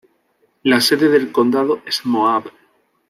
La sede del condado es Moab.